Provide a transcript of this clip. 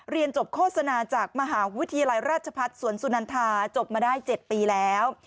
เรียนจบโฆษณาจากมหาวิทยาลัยราชพัฒน์สวนสุนันทาจบมาได้๗ปีแล้ว